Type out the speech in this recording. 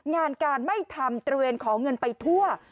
งานการไม่ทำตระเวนขอเงินไปทั่ว